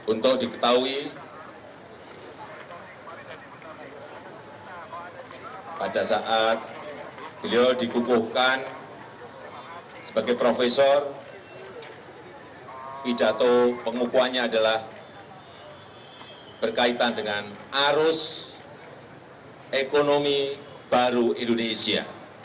untuk diketahui pada saat beliau dikukuhkan sebagai profesor pidato pengukuhannya adalah berkaitan dengan arus ekonomi baru indonesia